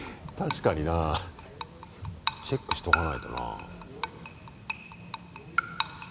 確かになチェックしとかないとな。